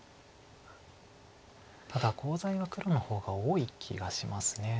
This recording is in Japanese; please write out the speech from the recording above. ただコウ材は黒の方が多い気がします。